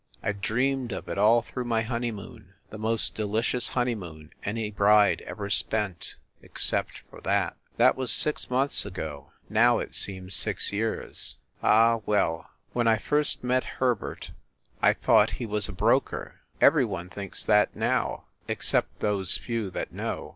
I dreamed of it, all through my honeymoon the most delicious honeymoon any bride ever spent except for that. That was six months ago ... now it seems six years. Ah, well !... When I first met Her bert I thought he was a broker. Every one thinks that now except those few that know.